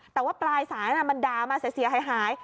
แต่ว่าปลายสายมันด่ามาเสียหาย